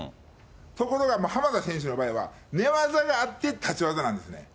ところが、浜田選手の場合は、寝技があって、立ち技なんですね。